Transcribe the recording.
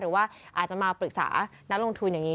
หรือว่าอาจจะมาปรึกษานักลงทุนอย่างนี้